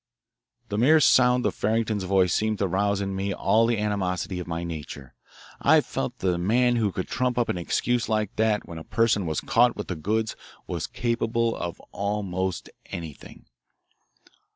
The mere sound of Farrington's voice seemed to rouse in me all the animosity of my nature. I felt that a man who could trump up an excuse like that when a person was caught with the goods was capable of almost anything.